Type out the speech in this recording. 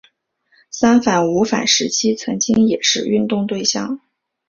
三反五反时期曾经也是运动对象。